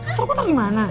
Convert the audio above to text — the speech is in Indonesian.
ntar gue taruh di mana